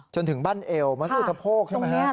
จนถึงบั้นเอวมันคือสะโพกใช่ไหมฮะ